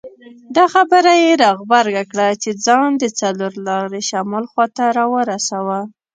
دا خبره یې را غبرګه کړه چې ځان د څلور لارې شمال خواته راورساوه.